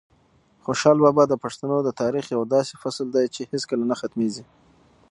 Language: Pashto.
خوشحال بابا د پښتنو د تاریخ یو داسې فصل دی چې هیڅکله نه ختمېږي.